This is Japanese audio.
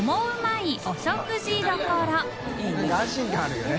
いいね。